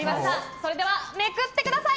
それではめくってください！